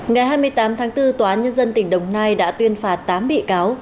ngày hai mươi tám tháng bốn tòa án nhân dân tỉnh đồng nai đã tuyên phạt tám bị cáo